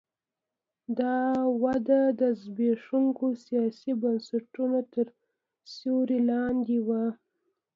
دا وده د زبېښونکو سیاسي بنسټونو تر سیوري لاندې وه.